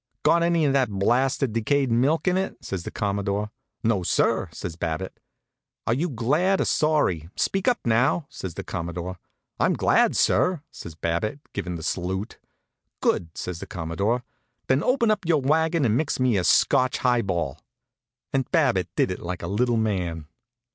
"Got any of that blasted decayed milk in it?" says the Commodore. "No, sir," says Babbitt. "Are you glad or sorry? Speak up, now," says the Commodore. "I'm glad, sir," says Babbitt, givin' the salute. "Good!" says the Commodore. "Then open up your wagon and mix me a Scotch high ball." And Babbitt did it like a little man.